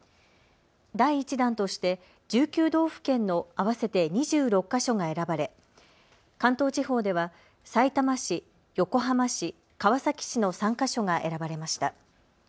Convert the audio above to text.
第１弾として１９道府県の合わせて２６か所が選ばれ関東地方ではさいたま市、横浜市、川崎市の３か所が選ばれました。